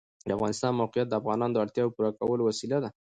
د افغانستان د موقعیت د افغانانو د اړتیاوو د پوره کولو وسیله ده.